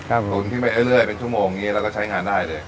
ตุ๋นขึ้นไปเรื่อยเป็นชั่วโมงอย่างนี้แล้วก็ใช้งานได้เลย